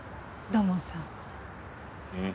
土門さん。